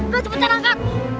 lo cepetan angkat